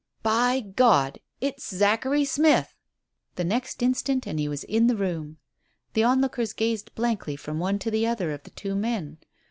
"By God! it's Zachary Smith!" The next instant and he was in the room. The onlookers gazed blankly from one to the other of the two men.